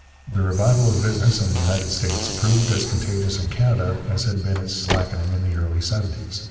The revival of business in the United States proved as contagious in Canada as had been its slackening in the early seventies.